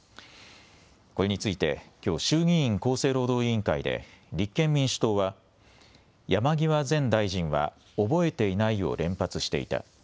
これについて、きょう衆議院厚生労働委員会で立憲民主党は山際前大臣は覚えていないを連発していた。